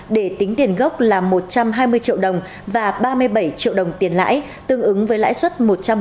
để tính tiền gốc là một trăm hai mươi triệu đồng và ba mươi bảy triệu đồng tiền lãi tương ứng với lãi suất một trăm một mươi